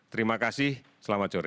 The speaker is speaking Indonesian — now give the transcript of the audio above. terima kasih selamat sore